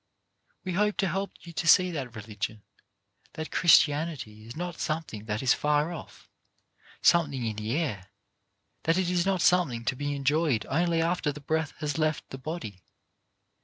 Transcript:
We hope to help you to see that religion, that Christianity, is not something that is far off, something in the air, that it is not something to be enjoyed only after the breath has left the body.